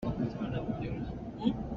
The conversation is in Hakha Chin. Lai na nawm ahcun na mawh lai.